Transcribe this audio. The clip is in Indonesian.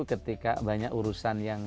ketika banyak urusan yang